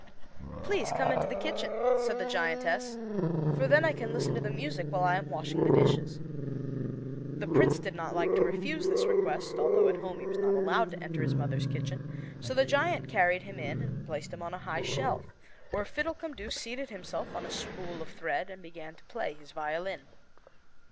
"Please come into the kitchen," said the giantess, "for then I can listen to the music while I am washing the dishes." The prince did not like to refuse this request, although at home he was not allowed to enter his mother's kitchen; so the giant carried him in and placed him on a high shelf, where Fiddlecumdoo seated himself on a spool of thread and began to play his violin.